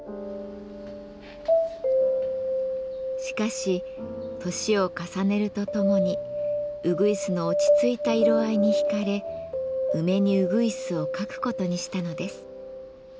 しかし年を重ねるとともにうぐいすの落ち着いた色合いに引かれ「梅にうぐいす」を描くことにしたのです。